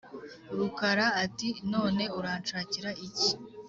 rukara ati"none uranshakira iki